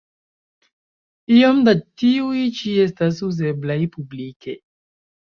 Iom da tiuj ĉi estas uzeblaj publike.